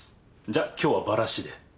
じゃ今日はバラしで。